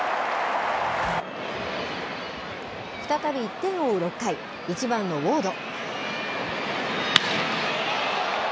再び１点を追う６回、１番のウォード。